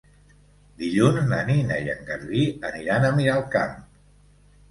Dilluns na Nina i en Garbí aniran a Miralcamp.